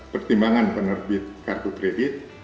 pertimbangan penerbit kartu kredit